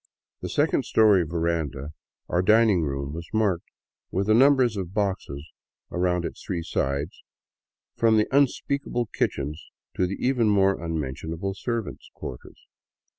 The second story veranda, our dining room, was marked with the numbers of " boxes *' around its three sides, from the unspeakable kitchen to the even more unmentionable servants* quarters.